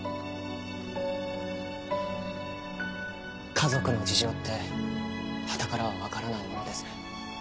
家族の事情ってはたからはわからないものですね。